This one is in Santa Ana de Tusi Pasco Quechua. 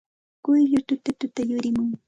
Quyllur tutatuta yurimun.